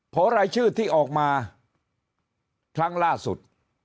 เพราะรายชื่อที่ออกมาครั้งล่าสุด